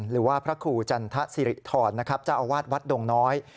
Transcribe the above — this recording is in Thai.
หรือว่าพระครูจันทศิริธรนะครับเจ้าอาวาสวัดดงน้อย